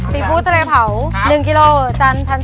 สีฟู้ดทะเลผา๑กิโลจาน๑๓๐๐บาท